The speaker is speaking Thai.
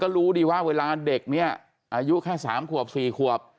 รู้ดีว่าเวลาเด็กเนี่ยอายุแค่๓ขวบ๔ขวบ